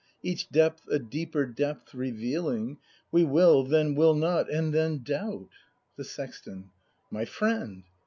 Each depth a deeper depth revealing, We will, then will not, and then doubt The Sexton. My friend